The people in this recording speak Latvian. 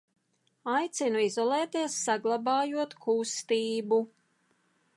Aicinu izolēties, saglabājot k u s t ī b u !